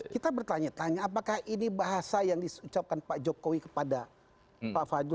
kita bertanya tanya apakah ini bahasa yang diucapkan pak jokowi kepada pak fadli